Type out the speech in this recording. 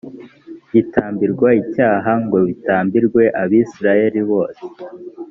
gitambirwa icyaha ngo bitambirwe abisirayeli bose